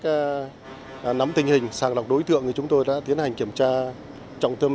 các công tác nắm tình hình sàng lọc đối tượng thì chúng tôi đã tiến hành kiểm tra trọng tâm